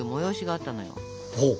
ほう。